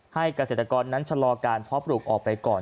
เกษตรกรนั้นชะลอการเพาะปลูกออกไปก่อน